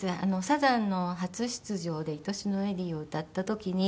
サザンの初出場で『いとしのエリー』を歌った時に。